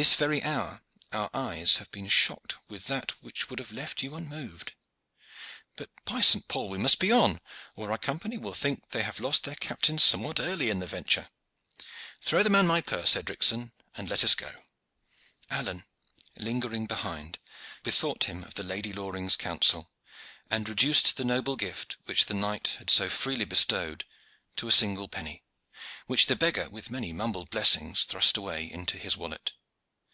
This very hour our eyes have been shocked with that which would have left you unmoved. But, by St. Paul! we must on, or our Company will think that they have lost their captain somewhat early in the venture. Throw the man my purse, Edricson, and let us go." Alleyne, lingering behind, bethought him of the Lady Loring's counsel, and reduced the noble gift which the knight had so freely bestowed to a single penny, which the beggar with many mumbled blessings thrust away into his wallet.